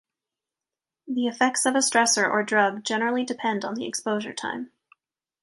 The effects of a stressor or drug generally depend on the exposure time.